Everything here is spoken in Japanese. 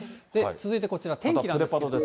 続いてこちら、天気なんですけれども。